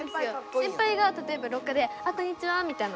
先ぱいがたとえばろう下で「あこんにちは」みたいな。